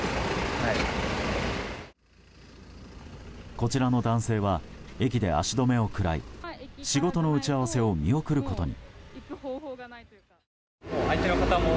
こちらの男性は駅で足止めを食らい仕事の打ち合わせを見送ることに。